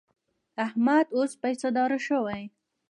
احمد اوس پیسهدار شوی.